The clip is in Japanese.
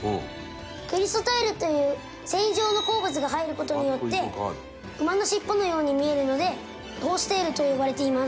クリソタイルという繊維状の鉱物が入る事によって馬の尻尾のように見えるのでホーステールと呼ばれています。